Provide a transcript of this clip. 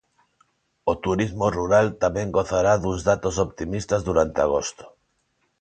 O turismo rural tamén gozará duns datos optimistas durante agosto.